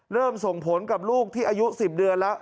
ส่งผลกับลูกที่อายุ๑๐เดือนแล้ว